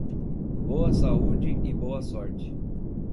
Boa saúde e boa sorte